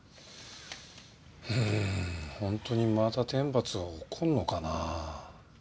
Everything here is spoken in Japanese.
うーん本当にまた天罰が起こるのかな？